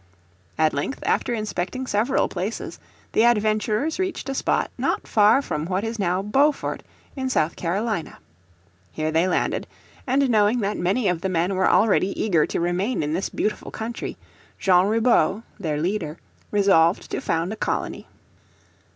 At length after inspecting several places the adventurers reached a spot not far from what is now Beaufort in South Carolina. Here they landed, and knowing that many of the men were already eager to remain in this beautiful country, Jean Ribaut, their leader, resolved to found a colony.